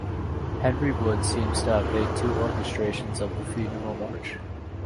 Henry Wood seems to have made two orchestrations of the Funeral March.